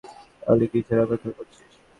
তাহলে কিসের অপেক্ষা করছিস?